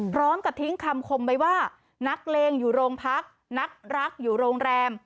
พร้อมกับทิ้งคำคมไว้ว่านักเลงอยู่โรงพักนักรักอยู่โรงแรม